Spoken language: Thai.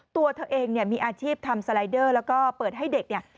ตัวเธอเองเนี่ยมีอาชีพทำสไลเดอร์แล้วก็เปิดให้เด็กเนี่ย